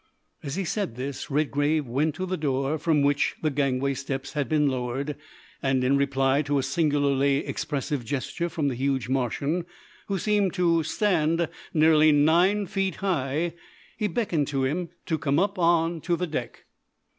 As he said this Redgrave went to the door, from which the gangway steps had been lowered, and, in reply to a singularly expressive gesture from the huge Martian, who seemed to stand nearly nine feet high, he beckoned to him to come up on to the deck.